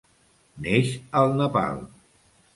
Neix al Nepal.